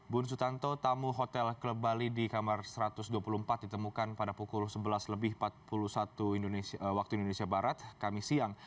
bun sutanto tamu hotel ke bali di kamar satu ratus dua puluh empat ditemukan pada pukul sebelas lebih empat puluh satu waktu indonesia barat kami siang